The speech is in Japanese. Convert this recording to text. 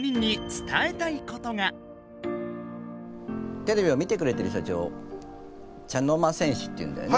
テレビを見てくれてる人たちを茶の間戦士っていうんだよね？